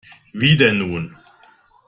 Wie denn nun?